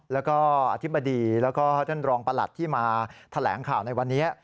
แล้วก็อธิบดีแล้วก็ท่านรองประหลัดที่มาแถลงข่าวในวันนี้